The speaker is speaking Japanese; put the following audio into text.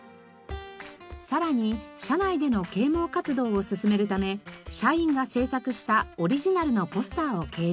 さらに社内での啓蒙活動を進めるため社員が制作したオリジナルのポスターを掲示。